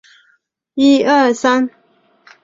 供应商帐户中的资金可以是真实或者虚构的货币。